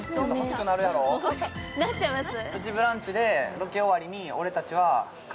欲しくなっちゃいます